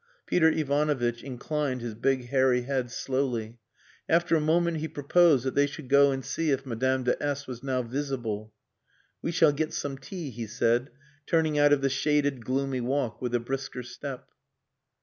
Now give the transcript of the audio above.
Peter Ivanovitch inclined his big hairy head slowly. After a moment he proposed that they should go and see if Madame de S was now visible. "We shall get some tea," he said, turning out of the shaded gloomy walk with a brisker step.